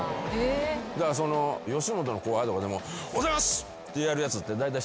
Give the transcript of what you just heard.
だから吉本の後輩とかでも「おはようございます！」ってやるやつってだいたい。